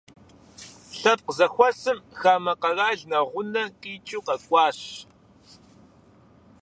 Лъэпкъ зэхуэсым хамэ къэрал нэгъунэ къикӏыу къэкӏуащ.